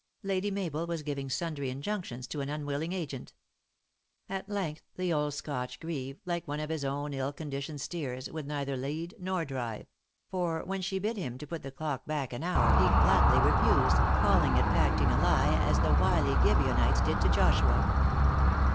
Lady Mabel was giving sundry injunctions to an unwilling agent. At length the old Scotch grieve, like one of his own ill conditioned steers, would neither lead nor drive; for when she bid him to put THE ACTKESS EST HIGH LIFE. 355 the clock back an hour, he flatly refused, calling it acting a He, as the wily Gibeonites did to Joshua.